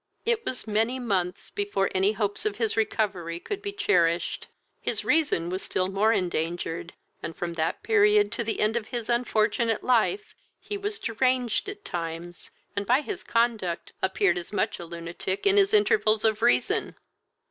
It was many months before any hopes of his recovery could be cherished. His reason was still more endangered, and, from that period to the end of his unfortunate life, he was deranged at times, and by his conduct appeared as much a lunatic in his intervals of reason.